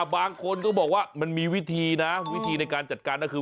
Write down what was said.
บางคนก็บอกว่ามันมีวิธีนะวิธีในการจัดการก็คือ